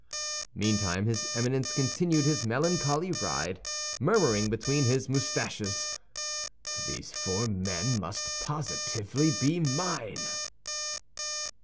Meantime, his Eminence continued his melancholy ride, murmuring between his mustaches, "These four men must positively be mine."